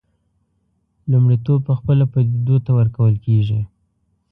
لومړیتوب پخپله پدیدو ته ورکول کېږي.